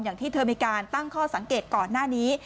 อย่างที่เธอมีการตั้งข้อสังเกตก่อนหน้านี้